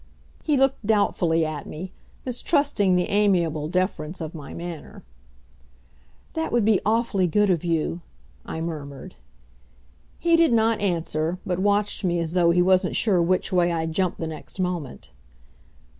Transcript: He looked doubtfully at me, mistrusting the amiable deference of my manner. "That would be awfully good of you," I murmured. He did not answer, but watched me as though he wasn't sure which way I'd jump the next moment.